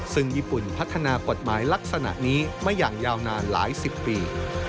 ซึ่งญี่ปุ่นพัฒนากฎหมายลักษณะนี้มาอย่างยาวนานหลายสิบปี